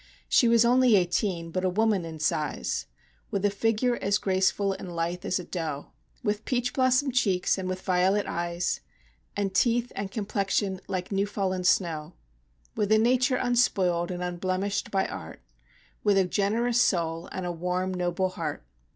She was only eighteen, but a woman in size, With a figure as graceful and lithe as a doe, With peach blossom cheeks, and with violet eyes, And teeth and complexion like new fallen snow; With a nature unspoiled and unblemished by art With a generous soul, and a warm, noble heart!